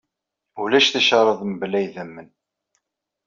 Ulac ticṛaḍ mebla idammen!